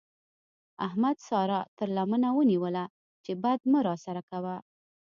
احمد سارا تر لمنه ونيوله چې بد مه راسره کوه.